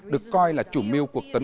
được coi là chủ mưu cuộc tấn công